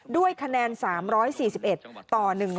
ด้วยคะแนน๓๔๑ต่อ๑๐